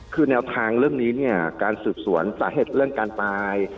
คือแนวทางเรื่องนี้เนี่ยการสืบสวนสาเหตุเรื่องการตาย